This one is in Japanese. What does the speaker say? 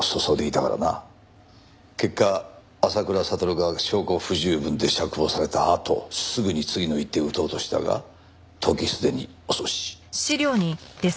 結果浅倉悟が証拠不十分で釈放されたあとすぐに次の一手を打とうとしたが時すでに遅し。